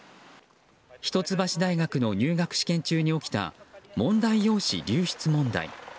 一橋大学の入学試験中に起きた問題用紙流出問題。